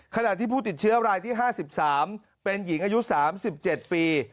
ขณะที่ผู้ติดเชื้อรายที่๕๓เป็นหญิงอายุ๓๗ปี